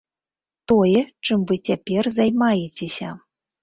Тое, чым вы цяпер займаецеся.